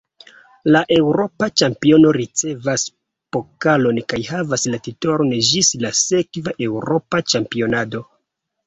La eŭropa ĉampiono ricevas pokalon kaj havas la titolon ĝis la sekva eŭropa ĉampionado.